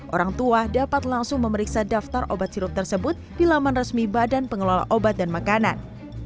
orang tua dapat langsung memeriksa daftar obat sirup tersebut di laman resmi badan pengelola obat dan makanan